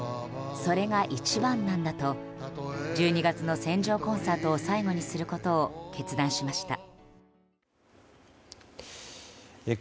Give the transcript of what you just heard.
それが一番なんだと１２月の船上コンサートを最後にすることを決断しました。